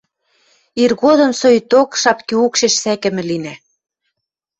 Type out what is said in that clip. — Иргодым соикток шапки укшеш сӓкӹмӹ линӓ...